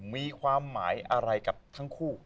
มีความหมายอะไรกับทั้งคู่